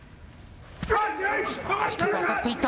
低く当たっていった。